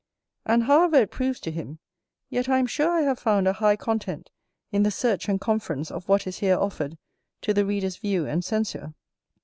And however it proves to him, yet I am sure I have found a high content in the search and conference of what is here offered to the Reader's view and censure.